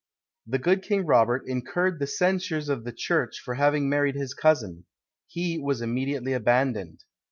The good king Robert incurred the censures of the church for having married his cousin. He was immediately abandoned.